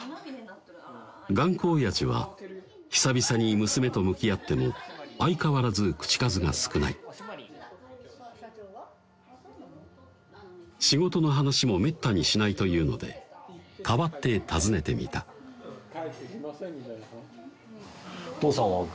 頑固おやじは久々に娘と向き合っても相変わらず口数が少ない仕事の話もめったにしないというので代わって尋ねてみたあっ